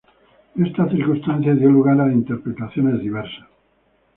Esta circunstancia dio lugar a interpretaciones diversas.